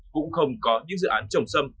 cũng không có những dự án trồng sâm